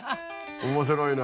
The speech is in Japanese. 面白いな。